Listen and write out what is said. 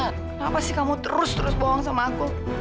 kenapa sih kamu terus terus bohong sama aku